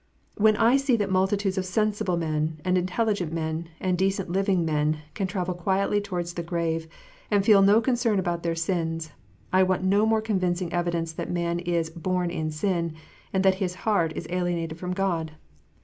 When I see that multitudes of sensible men, and intelligent men, and decent living men, can travel quietly towards the grave, and feel no concern about their sins, I want no more convincing evidence that man is "bom in sin," and that his heart is alienated from God.